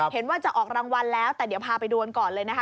เห็นว่าจะออกรางวัลแล้วแต่เดี๋ยวพาไปดูกันก่อนเลยนะคะ